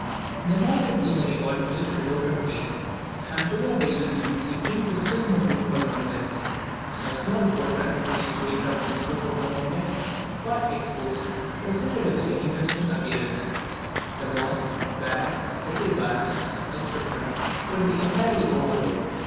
The mountain scenery alternated with open plains, and towards evening we came to still more beautiful mountains. A small fortress, which was situated upon the slope of a mountain, quite exposed, presented a very interesting appearance; the mosques, barracks, little gardens, etc., could be entirely overlooked.